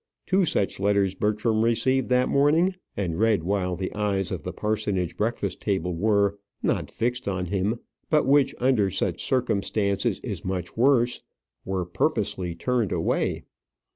Two such letters Bertram received that morning, and read while the eyes of the parsonage breakfast table were not fixed on him, but which under such circumstances is much worse were purposely turned away.